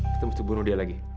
kita mesti bunuh dia lagi